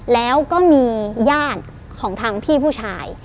แล้วก็มีญาติของทางพี่ผู้ชาย